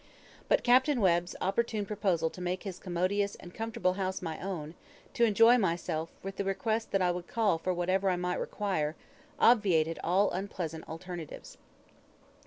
But Capt. Webb's opportune proposal to make his commodious and comfortable house my own; to enjoy myself, with the request that I would call for whatever I might require, obviated all unpleasant alternatives.